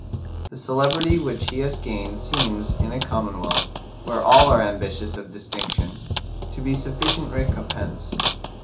The celebrity which he has gained seems, in a commonwealth, where all are ambitious of distinction, to be sufficient recompense.